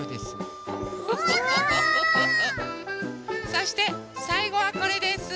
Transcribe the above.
そしてさいごはこれです。